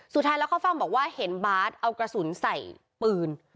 สุดท้ายแล้วเขาฟังบอกว่าเห็นบาทเอากระสุนใส่ปืน